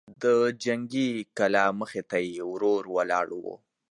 د جنګي کلا مخې ته يې ورور ولاړ و.